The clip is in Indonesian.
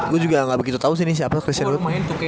gue juga ga begitu tau sih siapa christian wood